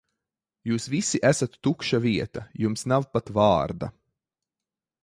Jūs visi esat tukša vieta, jums nav pat vārda.